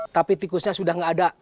tapi tikusnya sudah tidak ada